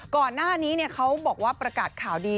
ก่อนหน้านี้เขาบอกว่าประกาศข่าวดี